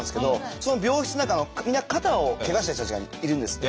その病室の中みんな肩をけがした人たちがいるんですって。